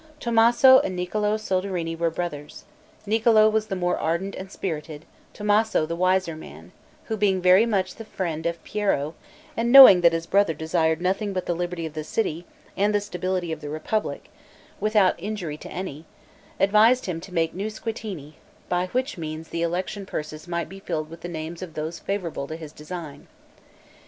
Tommaso and Niccolo Soderini were brothers. Niccolo was the more ardent and spirited, Tommaso the wiser man; who, being very much the friend of Piero, and knowing that his brother desired nothing but the liberty of the city, and the stability of the republic, without injury to any, advised him to make new Squittini, by which means the election purses might be filled with the names of those favorable to his design.